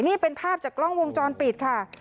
นี่เป็นภาพจากกล้องวงจรปิดค่ะ